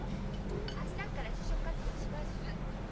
明日から就職活動します！